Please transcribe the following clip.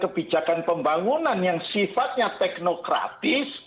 kebijakan pembangunan yang sifatnya teknokratis